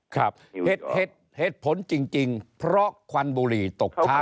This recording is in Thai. ครับเหตุผลจริงเพราะควันบุหรี่ตกช้า